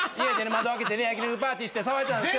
窓開けてね焼肉パーティーして騒いでたんですよ。